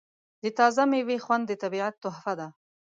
د تازه میوې خوند د طبیعت تحفه ده.